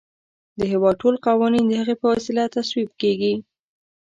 د هیواد ټول قوانین د هغې په وسیله تصویب کیږي.